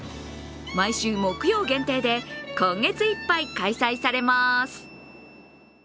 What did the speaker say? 毎週木曜限定で今月いっぱい開催されます。